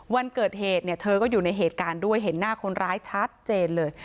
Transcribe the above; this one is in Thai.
วันเกิดเหตุเนี่ยเธอก็อยู่ในเหตุการณ์ด้วยเห็นหน้าคนร้ายชัดเจนเลย